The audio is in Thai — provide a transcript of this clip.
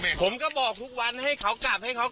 คำให้การในกอล์ฟนี่คือคำให้การในกอล์ฟนี่คือ